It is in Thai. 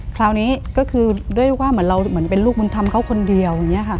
คราวนี้ก็คือด้วยว่าเหมือนเราเป็นลูกมนตร์ธรรมเขาคนเดียว